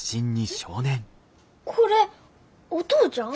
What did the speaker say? えっこれお父ちゃん！？